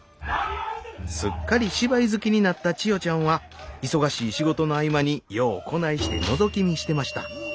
すっかり芝居好きになった千代ちゃんは忙しい仕事の合間にようこないしてのぞき見してました。